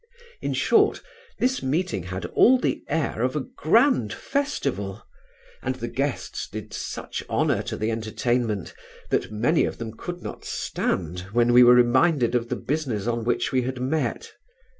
In short, this meeting had all the air of a grand festival; and the guests did such honour to the entertainment, that many of them could not stand when we were reminded of the business on which we had met.